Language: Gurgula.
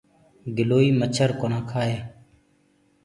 گِلوئيٚ مڇر ڪونآ ڪهآئي۔